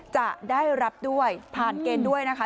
จะได้รับด้วยผ่านเกณฑ์ด้วยนะคะ